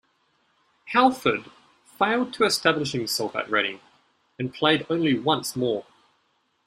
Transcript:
Halford failed to establish himself at Reading, and played only once more.